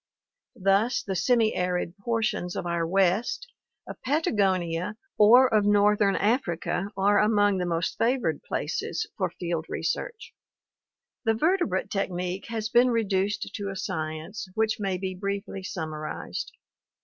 Thus the semi arid portions of our West, of Patagonia, or of northern Africa are among the most favored places for field research. The vertebrate technique has been reduced to a science, which may be briefly summarized.